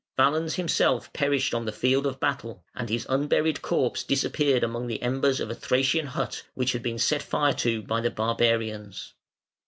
Valens himself perished on the field of battle, and his unburied corpse disappeared among the embers of a Thracian hut which had been set fire to by the barbarians.